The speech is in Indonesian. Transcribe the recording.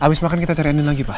habis makan kita cari amin lagi pak